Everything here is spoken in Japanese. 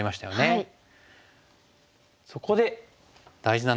はい。